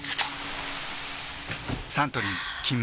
サントリー「金麦」